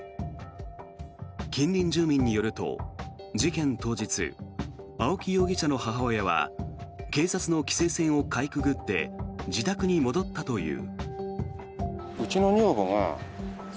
近隣住民によると、事件当日青木容疑者の母親は警察の規制線をかいくぐって自宅に戻ったという。